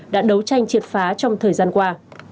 đã đấu tranh triệt phá trong thời gian qua